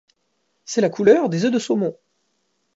C'est la couleur des œufs de saumon.